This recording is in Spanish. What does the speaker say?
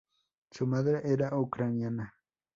Su madre era ucraniana.